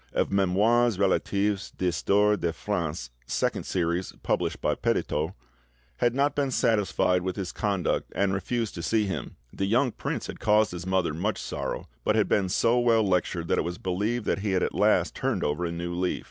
of 'Memoires Relatifs d'Histoire de France', Second Series, published by Petitot), "had not been satisfied with his conduct and refused to see him. The young prince had caused his mother much sorrow, but had been so well lectured that it was believed that he had at last turned over a new leaf."